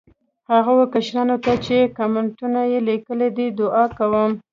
هغو کشرانو ته چې کامینټونه یې لیکلي دي، دعا کوم.